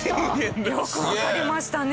よくわかりましたね。